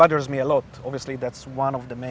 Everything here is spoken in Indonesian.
itu salah satu alasan utama